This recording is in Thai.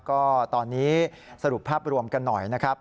ก็ตอนนี้สรุปภาพรวมกันหน่อยนะครับ